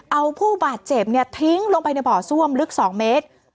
เอาผู้บาดเจ็บทิ้งลงไปในบ่อซ่วมลึก๒เมตร